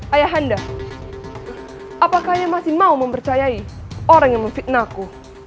ayah anda apakah ia masih mau mempercayai orang yang memfitnahku